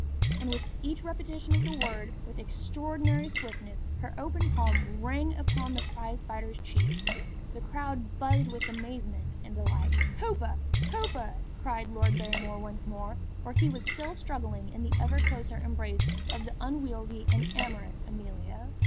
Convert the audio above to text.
And with each repetition of the word, with extraordinary swiftness, her open palm rang upon the prizefighter's cheek. The crowd buzzed with amazement and delight. "Hooper! Hooper!" cried Lord Barrymore once more, for he was still struggling in the ever closer embrace of the unwieldy and amorous Amelia.